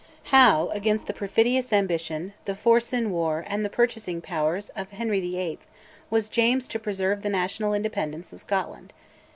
How, against the perfidious ambition, the force in war, and the purchasing powers of Henry VIII., was James to preserve the national independence of Scotland?